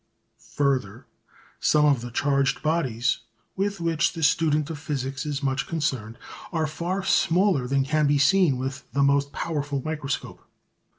Further, some of the charged bodies with which the student of physics is much concerned are far smaller than can be seen with the most powerful microscope.